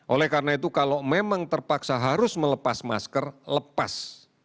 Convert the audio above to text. oleh karena itu kalau memang terpaksa harus melepas masker lepas